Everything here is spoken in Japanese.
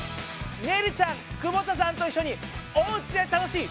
ねるちゃん久保田さんと一緒におうちで楽しい！